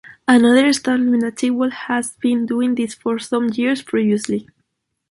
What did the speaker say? Another establishment at Chigwell has been doing this for some years previously.